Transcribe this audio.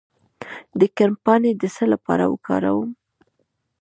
د کرم پاڼې د څه لپاره وکاروم؟